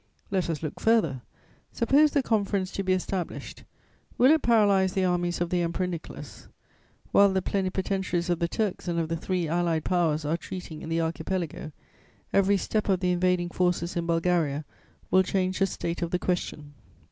Let us look further, suppose the conference to be established: will it paralyze the armies of the Emperor Nicholas? While the plenipotentiaries of the Turks and of the three Allied Powers are treating in the Archipelago, every step of the invading forces in Bulgaria will change the state of the question.